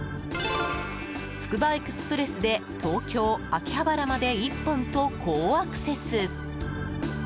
つくばエクスプレスで東京・秋葉原まで１本と好アクセス。